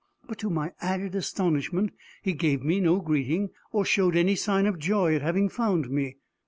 But, to my added astonishment, he gave me no greeting, or showed any sign of joy at having found me.